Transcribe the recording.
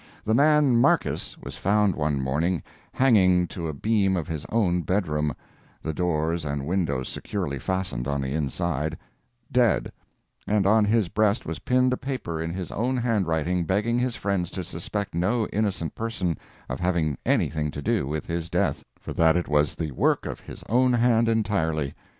The man Markiss was found one morning hanging to a beam of his own bedroom (the doors and windows securely fastened on the inside), dead; and on his breast was pinned a paper in his own handwriting begging his friends to suspect no innocent person of having anything to do with his death, for that it was the work of his own hands entirely.